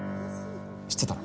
知ってたの？